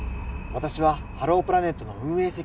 わたしはハロープラネットのうんえ